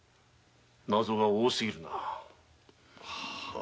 謎が多すぎるな。